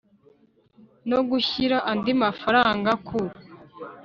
no gushyira andi mafaranga ku